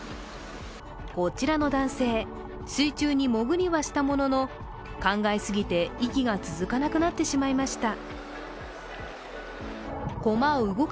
こちらの男性、水中に潜りはしたものの考えすぎて息が続かなくなってしまいました。